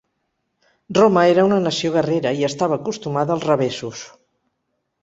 Roma era una nació guerrera i estava acostumada als revessos.